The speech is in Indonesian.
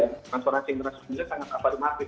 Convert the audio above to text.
transformasi internasional sangat afirmatif